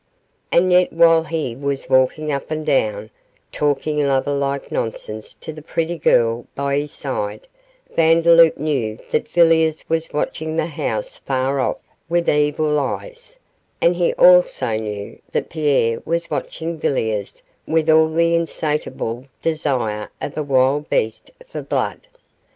And yet while he was walking up and down, talking lover like nonsense to the pretty girl by his side, Vandeloup knew that Villiers was watching the house far off, with evil eyes, and he also knew that Pierre was watching Villiers with all the insatiable desire of a wild beast for blood.